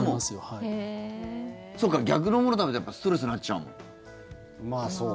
そうか、逆のもの食べたらストレスになっちゃうもん。